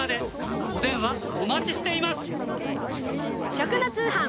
食の通販。